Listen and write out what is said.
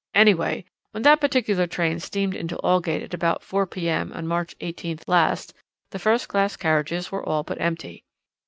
Anyway, when that particular train steamed into Aldgate at about 4 p.m. on March 18th last, the first class carriages were all but empty.